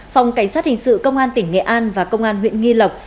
phòng cảnh sát hình sự công an tỉnh nghệ an và công an huyện nghi lộc